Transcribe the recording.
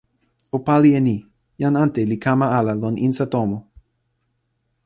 o pali e ni: jan ante li kama ala lon insa tomo.